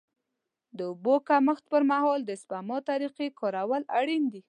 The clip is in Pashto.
د اوبو د کمښت پر مهال د سپما طریقې کارول اړین دي.